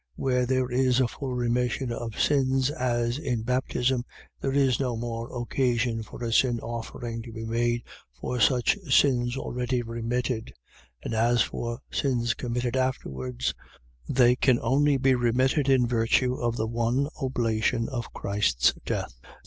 . .Where there is a full remission of sins, as in baptism, there is no more occasion for a sin offering to be made for such sins already remitted; and as for sins committed afterwards, they can only be remitted in virtue of the one oblation of Christ's death.